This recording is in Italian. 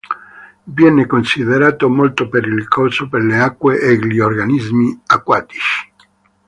Viene considerato molto pericoloso per le acque e gli organismi acquatici.